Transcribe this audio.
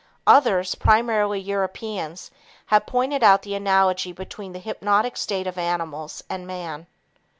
Others, primarily Europeans, have pointed out the analogy between the hypnotic state of animals and man.